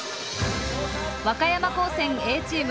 和歌山高専Ａチーム